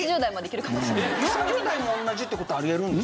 ４０代も同じって事あり得るんですか？